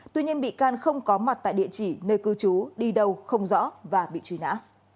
tuy nhiên bị can không có mặt tại địa chỉ nơi cư trú đi đâu không rõ và bị truy nã